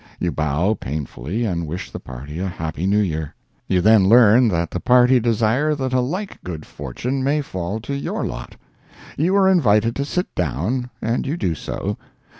You bow painfully and wish the party a happy New Year. You then learn that the party desire that a like good fortune may fall to your lot. You are invited to sit down, and you do so.